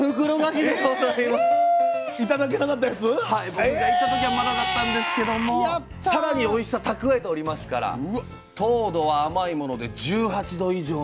僕が行った時はまだだったんですけども更においしさ蓄えておりますから糖度は甘いもので１８度以上にもなると。